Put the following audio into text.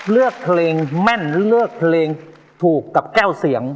เลือกเพลงแม่นเลือกเพลงถูกกับแก้วเสียง